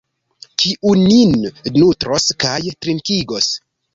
Kiu nin nutros kaj trinkigos?